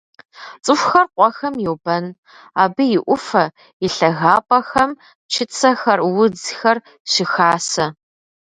ЦӀыхухэр къуэхэм йобэн: абы и Ӏуфэ, и лъагапӀэхэм чыцэхэр, удзхэр щыхасэ.